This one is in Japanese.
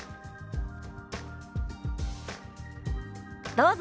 どうぞ。